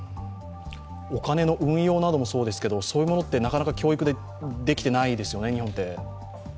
お金の運用などもそうですけど、そういうものってなかなか教育でできていないですよね、日本って。